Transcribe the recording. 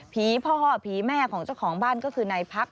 พ่อผีแม่ของเจ้าของบ้านก็คือนายพัก